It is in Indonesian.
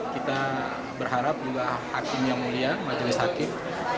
kita berharap juga hakim yang mulia majelis hakim